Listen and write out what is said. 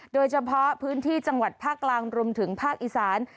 โดยเฉพาะพื้นที่จังหวัดภาคกลางรวมถึงภาคอีสาน